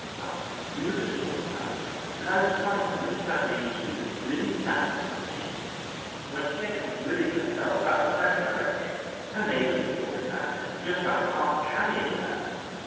Well, we were just talking about it, and I was trying to make her believe too that Lilly Stannard was sick, when here comes Lilly herself out to her carriage. Her maid was supporting her, just about half carrying her.